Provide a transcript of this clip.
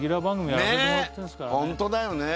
本当だよね